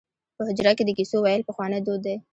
په حجره کې د کیسو ویل پخوانی دود دی.